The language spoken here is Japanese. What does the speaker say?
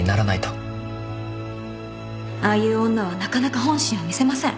ああいう女はなかなか本心を見せません